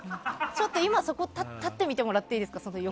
ちょっと今そこに立ってみてもらっていいですか？